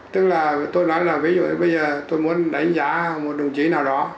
tức là tôi nói là ví dụ bây giờ tôi muốn đánh giá một đồng chí nào đó